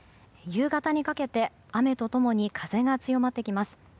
夕方にかけて雨と共に風が強まってきます。